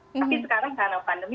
tapi sekarang karena pandemi